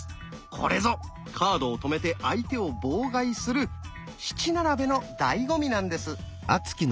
これぞカードを止めて相手を妨害する七並べのだいご味なんです！